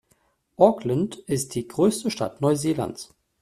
Auckland ist die größte Stadt Neuseelands.